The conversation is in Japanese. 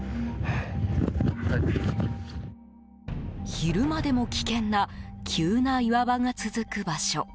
昼間でも危険な急な岩場が続く場所。